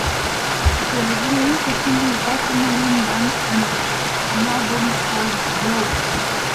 They released a single "Watermelon Man" and an album called "Blow!".